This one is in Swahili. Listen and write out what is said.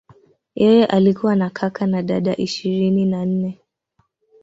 Yeye alikuwa na kaka na dada ishirini na nne.